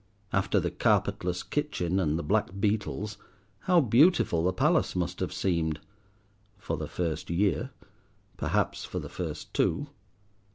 After the carpetless kitchen and the black beetles, how beautiful the palace must have seemed—for the first year, perhaps for the first two.